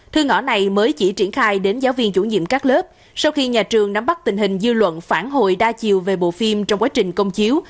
thư ngõ này mới chỉ triển khai đến giáo viên chủ nhiệm các lớp sau khi nhà trường nắm bắt tình hình dư luận phản hồi đa chiều về bộ phim trong quá trình công chiếu